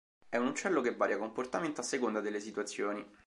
È un uccello che varia comportamento a seconda delle situazioni.